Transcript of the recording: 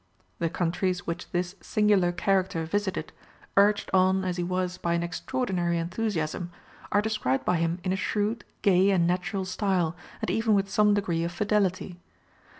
The countries which this singular character visited, urged on as he was by an extraordinary enthusiasm, are described by him in a shrewd, gay, and natural style, and even with some degree of fidelity.